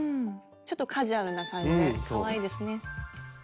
ちょっとカジュアルな感じでかわいいですね。